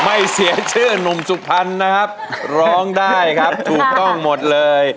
ไม่เสียชื่อหนุ่มสุพรรณนะครับร้องได้ครับถูกต้องหมดเลย